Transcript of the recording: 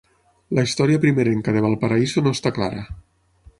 La història primerenca de Valparaíso no està clara.